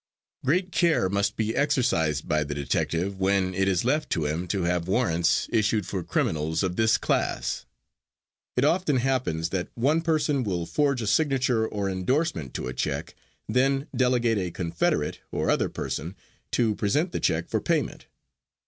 Great care must be exercised by the detective when it is left to him to have warrants issued for criminals of this class. It often happens that one person will forge a signature or endorsement to a check, then delegate a confederate or other person to present the check for payment.